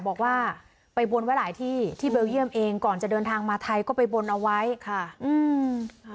บอกว่าไปบนไว้หลายที่ที่เบลเยี่ยมเองก่อนจะเดินทางมาไทยก็ไปบนเอาไว้ค่ะอืม